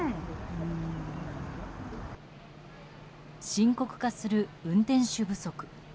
深刻化する運転手不足。